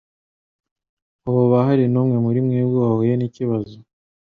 Hoba hari n'umwe muri mwebwe yahuye n'ikibazo